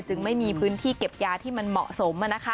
ไม่มีพื้นที่เก็บยาที่มันเหมาะสม